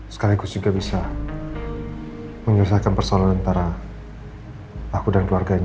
sekaligus juga bisa menyelesaikan persoalan antara aku dan keluarganya